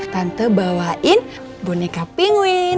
tante bawain boneka penguin